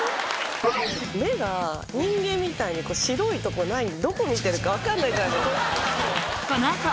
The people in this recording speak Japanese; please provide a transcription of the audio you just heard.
目が人間みたいに白いとこないんでどこ見てるか分かんないじゃないですか。